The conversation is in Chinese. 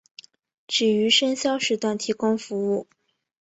只于深宵时段提供服务。